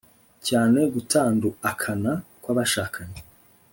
cyane gutanduakana kw'abashakanye